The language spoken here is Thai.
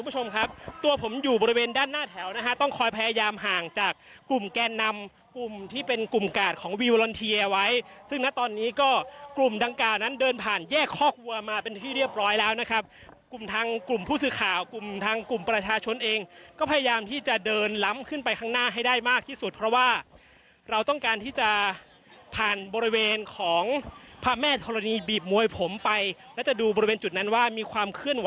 จะพยายามห่างจากกลุ่มแก้นนำกลุ่มที่เป็นกลุ่มกาดของวิวลอนเทียไว้ซึ่งนะตอนนี้ก็กลุ่มดังกาวนั้นเดินผ่านแยกคอกวัวมาเป็นที่เรียบร้อยแล้วนะครับกลุ่มทางกลุ่มผู้สื่อข่าวกลุ่มทางกลุ่มประชาชนเองก็พยายามที่จะเดินล้ำขึ้นไปข้างหน้าให้ได้มากที่สุดเพราะว่าเราต้องการที่จะผ่านบริเวณของพระแม่